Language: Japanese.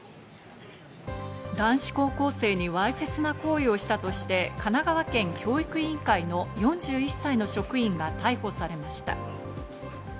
男子高校生にわいせつな行為をしたとして神奈川県教育委員会の４１歳の職員が逮捕されました。